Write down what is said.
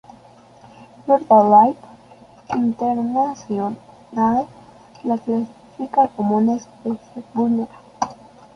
BirdLife International la clasifica como especie vulnerable.